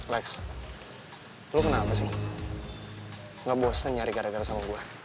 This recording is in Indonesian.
lex lo kenapa sih nggak bosen nyari karya karya sama gue